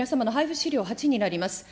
資料８になります。